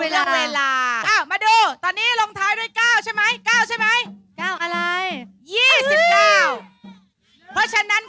เร็วเร็วเร็ว